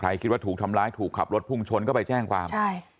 คิดว่าถูกทำร้ายถูกขับรถพุ่งชนก็ไปแจ้งความใช่